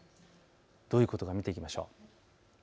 どういうことか見ていきましょう。